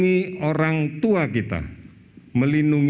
seperti semua kita sekarang ini